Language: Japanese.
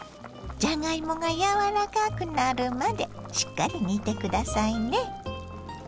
じゃがいもが柔らかくなるまでしっかり煮て下さいね。